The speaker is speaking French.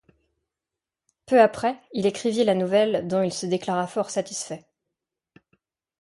Peu après, il écrivit la nouvelle dont il se déclara fort satisfait.